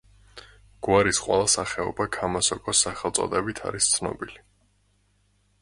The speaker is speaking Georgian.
გვარის ყველა სახეობა ქამასოკოს სახელწოდებით არის ცნობილი.